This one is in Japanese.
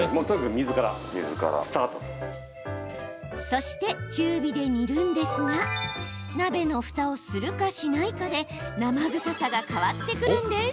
そして、中火で煮るんですが鍋のふたをするかしないかで生臭さが変わってくるんです。